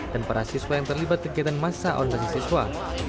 dan para siswa yang terlibat kegiatan masa ondasi siswa